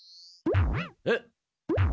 えっ？